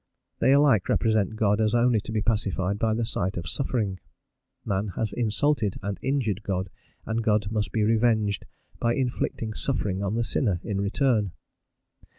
They alike represent God as only to be pacified by the sight of suffering. Man has insulted and injured God, and God must be revenged by inflicting suffering on the sinner in return.